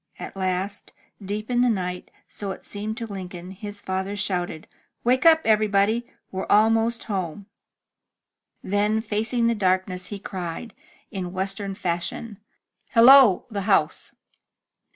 At last, deep in the night, so it seemed to Lincoln, his father shouted: "Wake up, everybody. We're almost home." Then, MY BOOK HOUSE facing the darkness, he cried, in western fashion, "Hello! the house!